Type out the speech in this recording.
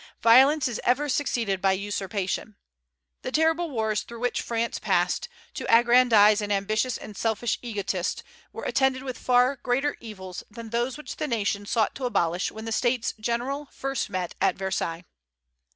Violence is ever succeeded by usurpation. The terrible wars through which France passed, to aggrandize an ambitious and selfish egotist, were attended with far greater evils than those which the nation sought to abolish when the States General first met at Versailles.